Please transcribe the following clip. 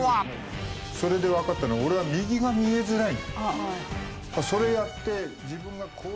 それでわかったのは俺は右が見えづらい。